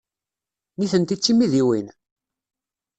Nitenti d timidiwin?